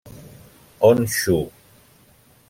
Honshu.